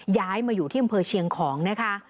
ย้ายมาอยู่ที่อำเภอเชียงของนะคะ